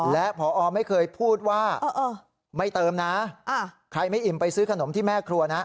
และพอไม่เคยพูดว่าไม่เติมนะใครไม่อิ่มไปซื้อขนมที่แม่ครัวนะ